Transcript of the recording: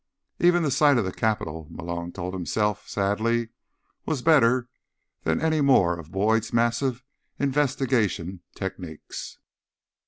Even the sight of the Capitol, Malone told himself sadly, was better than any more of Boyd's massive investigation techniques.